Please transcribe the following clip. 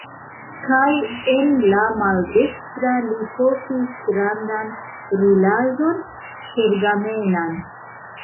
Kaj en la maldekstra li portis grandan rulaĵon pergamenan.